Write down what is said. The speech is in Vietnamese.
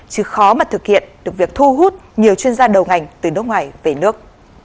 chứ khó mà thực hiện được việc thu hút nhiều chuyên gia đầu ngành từ nước ngoài về nước